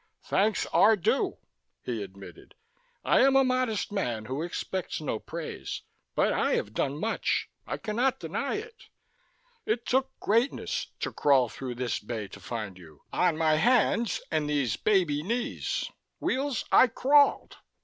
"Thanks are due," he admitted. "I am a modest man who expects no praise, but I have done much. I cannot deny it. It took greatness to crawl through this bay to find you. On my hands and these baby knees, Weels, I crawled.